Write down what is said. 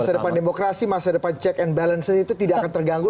jadi masa depan demokrasi masa depan check and balance itu tidak akan terganggu